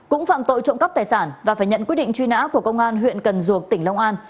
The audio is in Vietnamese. cũng phạm tội trộm cắp tài sản và phải nhận quyết định truy nã của công an huyện cần duộc tỉnh long an